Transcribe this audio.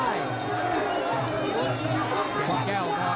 อะไรก็เกิดขึ้นได้